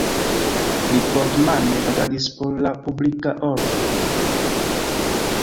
Li fort-mane agadis por la publika ordo.